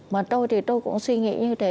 mà tôi thì tôi cũng suy nghĩ như thế